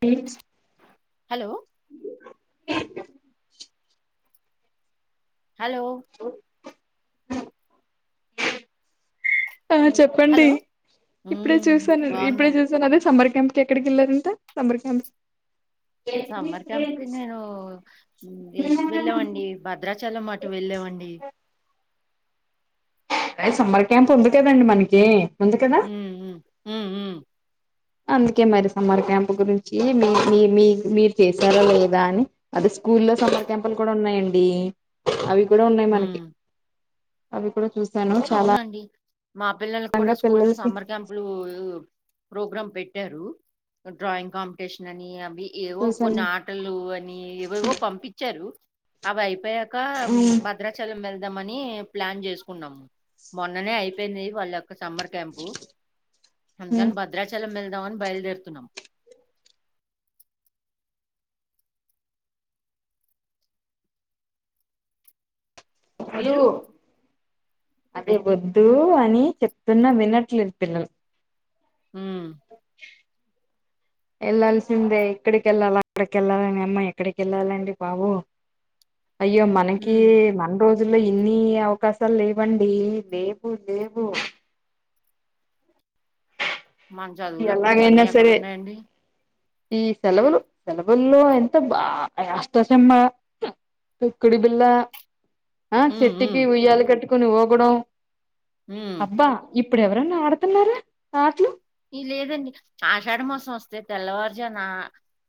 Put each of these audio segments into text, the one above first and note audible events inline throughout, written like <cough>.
ప్లిడ్స్ hello hello ఆ చెప్పండి hello ఇప్పుడే హ్మ్, చూసాను ఇప్పుడే బాగున్నారు చూసాను అదే సమ్మర్ క్యాంప్ ఎక్కడికి ఎళ్లారంటా సమ్మర్ క్యాంప్ సమ్మర్ క్యాంప్ కి నేను ఇటు ఎళ్ళామండి భద్రాచలం అటు ఎళ్ళామండి డి అ సమ్మర్ క్యాంప్ ఉంది కదండి మనకి ఉంది కదా ఉమ్ ఉ అందుకే మరి సమ్మర్ క్యాంప్ గురించి మీ మీ మీ మీరు చేసారా లేదా అని అది స్కూలో సమ్మర్ క్యాంపులు గూడా ఉన్నాయండి అవి గూడా ఉన్నాయి హ్మ్. మనకి అవి గూడా చూస్ అవునండి మా పిల్లలకు ఆనందంగా గూడా స్కూల్ లో పిల్లలకి సమ్మర్ క్యాంపులు ప్రోగ్రామ్ పెట్టారు డ్రాయింగ్ కాంపిటీషన్ అని ఏవో కొన్ని చూసాను ఆటలు అని ఏవేవో పంపించారు అవి అపోయాక భద్రాచలం వెళ్దాంమని ప్లాన్ చేసుకున్నాము మొన్ననే అయిపోయింది వాళ్ళ యొక్క సమ్మర్ క్యాంపు అందుకని భద్రాచలం వెళదామని బయలుదేరుతున్నా కాదు మీరు అదే వద్దు అని చెప్తున్నా విన్నట్లేదు పిల్లలు ఉమ్ <inaudible> వెళ్ళాల్సిందే ఇక్కడికిఎళ్ళాలి అక్కడికిఎళ్ళాలని నీ అమ్మా ఎక్కడికి ఎళ్ళాలండి బాబు అయ్యో మనకి మన రోజు రోజుల్లో ఇన్ని అవకాశాలు లేవండి లేవు లేవు <inaudible> మన ఇది చదువులప్పుడు ఇవన్నీ ఎలాగైనా ఎక్కడ సరే ఉన్నాయండి ఈ సెలవులు సెలవుల్లో ఎంత బాగ అష్టాచమ్మా తొక్కుడు బిళ్ళ ఆ మ్మ్ చేట్టికి మ్మ్ ఉయ్యాల కట్టుకుని వూగడం మ్మ్ అబ్బా ఇప్ ఇప్పుడు ఎవరన్నా ఆడుతున్నారా ఆట్లు ఈ లేదండి ఆషాఢమాసం వస్తే తెల్లవారుజానా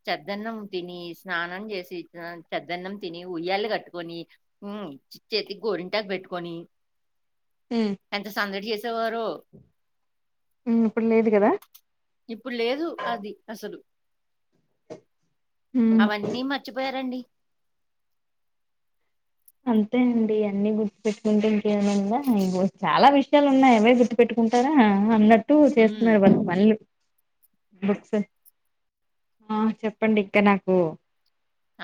చెద్దన్నం తిని స్నానం చేసి చెద్దన్నం తిని ఉయ్యాల కట్టుకొని మ్ చేతికి గోరింటాకి పెట్టుకొని <inaudible> ఉమ్, ఎంత సందడి చేసేవారో ఉమ్, ఇప్పుడు లేదు కదా ఇప్పుడు లేదు అది అసలు ఉమ్, అవన్నీ మర్చిపోయారండి అంతే అండి అన్ని గుర్తుపెట్టుకుంటే ఇంకేమైన్నా ఉందా ఇంగో చాలా విషయాలు ఉన్నాయ అవే గుర్తు పెట్టుకుంట ఉంటారా అ అన్నట్టు మ్మ్ చేస్తున్నారు వాళ్ళు పనులు బుక్స్ ఆ చెప్పండి ఇంకా నాకు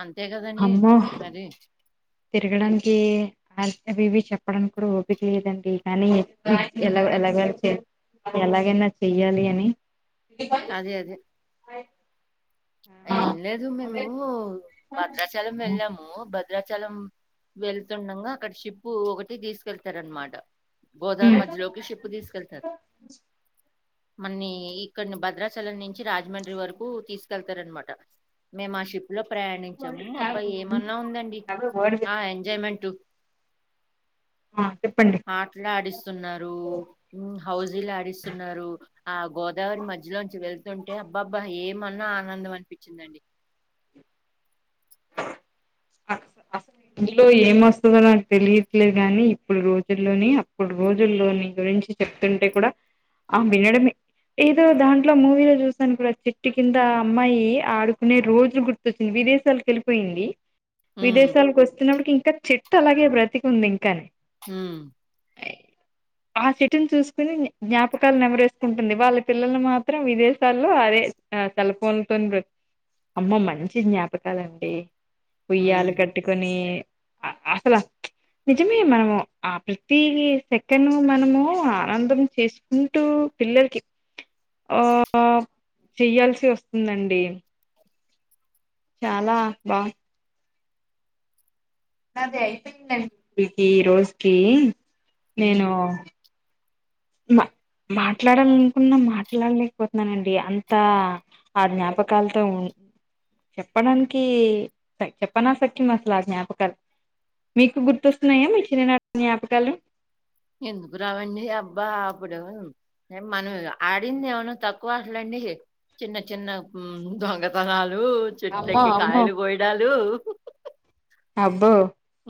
అంతే గదండి అమ్మో మరి తిరగడానికి అవి ఇవి చెప్పడానికి కూడా ఓపిక లేదండి కానీ ఎలా అలాగారు చే ఎలాగైనా చెయ్యాలి అని అదే అదే ఏం హ్మ్. లేదు మేము భద్రాచలం ఎళ్ళాము భద భద్రాచలం వెళ్తుండంగా అక్కడ షిప్పు ఒకటి తీసుకెళ్తారు అనమాట గోదావరి మధ్యలోకి షిప్పు తీసుకెళ్తారు అన్ని ఇక్కడి భద్రాచలం నుంచి రాజమండ్రి వరకు తీసుకెళ్త అనమాట మేము ఆ షిప్ లో ప్రయాణించాము అబ్బా ఏమన్నా ఉందండి ఆ ఎంజాయ్మెంట్ ఆ చెప్పండి ఆట్లు ఆడిస్తున్నారు హౌజీలు ఆడిస్తున్నారు ఆ గోదావరి మధ్యలోంచి వెళ్తుంటే అబ్బా అబ్బా ఏమన్నా ఆనందం అనిపించిందండి <inaudible> <inaudible> ఎంవస్తుందో నాకు తెలియట్లేదు గాని ఇప్పుడు రోజుల్లోని అప్పుడు రోజుల్లో నీ గురించి చెప్తుంటే కూడా ఆ వినడమే ఏదో దాంట్లో మూవీలో చూసాను కూడా చెట్టు కింద ఆ అమ్మాయి ఆడుకునే రోజులు గుర్తొచ్చినం విదేశాలకు వెళ్ళిపోయింది ఉమ్ విదేశాలకు వస్తున్నప్పటికి ఇంకా చెట్టు అలాగే బ్రతికి ఉంది ఇంకానే ఉమ్ ఆ చెట్టుని చూసుకుని జ్ఞాపకాలు నెవరేసుకుంటుంది వాళ్ళ పిల్లలు మాత్రం విదేశాల్లో అదే సెల్లు ఫోన్లతోనీ అమ్మ మంచి జ్ఞాపకాలండి ఉమ్ ఉయ్యాలు కట్టుకొని అసల నిజమే మనము ఆ ప్రతి సెకండ్ మనము ఆనందం చేసుకుంటూ పిల్లలకి ఆ చెయ్యాల్సి వస్తుందండి చాలా బా నాది అయిపోయిందండి ఈ రోజుకి ఉమ్ నేను మ మాట్లాడాలనుకున్నా మాట్లాడలేకపోతున్నానండి అంతా ఆ జ్ఞాపకాలతో ఉ చెప్పడానికి చెప్పన సఖ్యం అసలు ఆ జ్ఞాపకాలు మీకు గుర్తొస్తున్నాయా మీ చిన్ననాటి జ్ఞాపకాలు ఎందుకు రావండి అబ్బా అప్పుడు మనం ఆడింది ఏమనా తక్కువ ఆట్లండి చిన్న చిన్న దొంగతనాలు చెట్లు అమ్మో ఎక్కి అమ్మో కాయలు కోయడాలు అబ్బో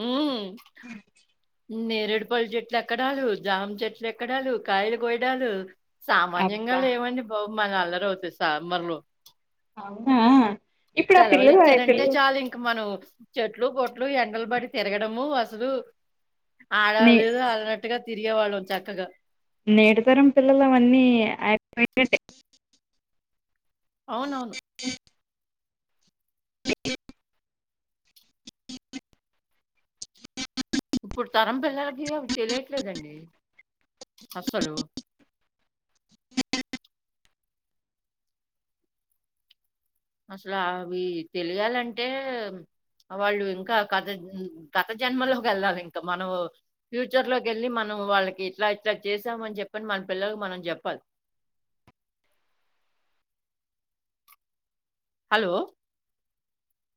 ఉమ్ నేరడుపళ్ళ చెట్లు ఎక్కడాలు జామ చెట్లు ఎక్కడాలు కాయలు కోయడాలు సామాన్యంగా అబ్బా లేవండి బాబు మన అల్లరవుతే సమ్మర్లో అవునా ఇప్పుడు ఆ సెలవులు పిల్లలు ఆ ఇచ్చారంటే పిల్లలు చాలు ఇంక మనం చెట్లు గుట్టు ఎండలు బడి తిరగడము అసలు నే ఆడాలదు అనట్టుగా తిరిగేవాళ్ళం చక్కగా నేటితరం పిల్లలు అవన్నీ <inaudible> అవునవును అ ఇప్పుడు తరం పిల్లలకి అవి తెలియట్లేదండి అస్సలు అసలు అవి తెలియాలంటే వాళ్ళు ఇంకా గత గత జన్మ లోకి వెళ్ళాలి ఇంకా మనం ఫ్యూచర్ లోకేళ్ళి మనం వాళ్ళకి ఇట్లా ఇట్లా చేసామని చెప్పని మన పిల్లలకి మనం చెప్పాలి హలో